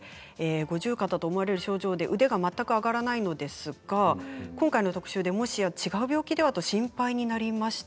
五十肩と思われる症状で腕が全く上がらないのですが今回の特集で、もしや違う病気ではと心配になりました。